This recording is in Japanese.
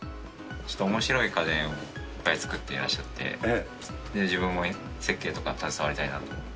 ちょっとおもしろい家電をいっぱい作ってらっしゃって、自分も設計とか携わりたいなと思って。